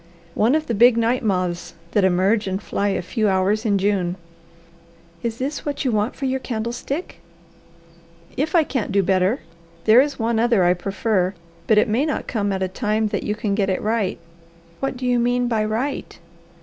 "One of the big night moths that emerge and fly a few hours in June." "Is this what you want for your candlestick?" "If I can't do better. There is one other I prefer, but it may not come at a time that you can get it right." "What do you mean by 'right'?"